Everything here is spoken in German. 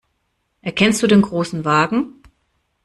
Erkennst du den Großen Wagen?